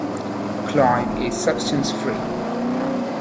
Cloyne is substance-free.